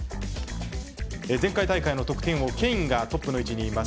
前回大会の得点王、ケインがトップの位置にいます。